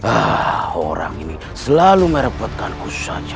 ah orang ini selalu merepotkanku saja